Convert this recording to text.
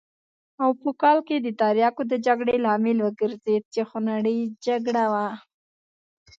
او په کال کې د تریاکو د جګړې لامل وګرځېد چې خونړۍ جګړه وه.